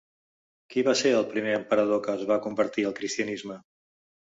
Qui va ser el primer emperador que es va convertir al cristianisme?